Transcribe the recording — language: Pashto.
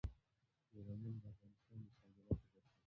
یورانیم د افغانستان د صادراتو برخه ده.